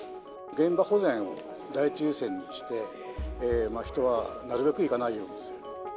現場保全を第一優先にして、人はなるべく行かないようにする。